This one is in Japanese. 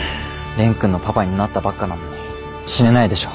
蓮くんのパパになったばっかなのに死ねないでしょ。